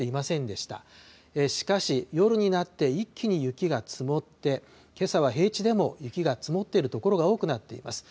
しかし、夜になって一気に雪が積もって、けさは平地でも雪が積もっている所が多くなっています。